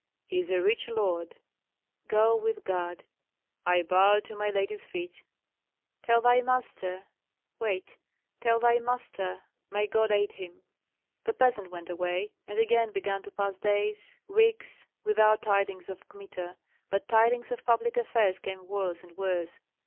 "He is a rich lord." "Go with God." "I bow to my lady's feet." "Tell thy master wait tell thy master may God aid him!" The peasant went away; and again began to pass days, weeks, without tidings of Kmita, but tidings of public affairs came worse and worse.